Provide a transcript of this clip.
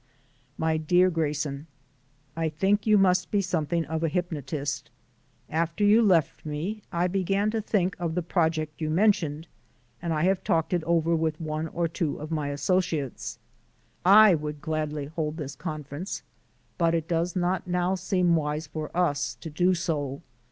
My Dear Grayson: I think you must be something of a hypnotist. After you left me I began to think of the project you mentioned, and I have talked it over with one or two of my associates. I would gladly hold this conference, but it does not now seem wise for us to do so.